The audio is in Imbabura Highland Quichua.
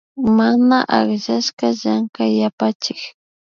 Mana akllashka Llankay yapachik